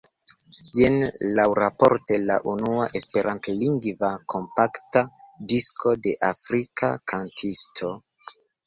Jen laŭraporte la unua Esperantlingva kompakta disko de afrika kantisto.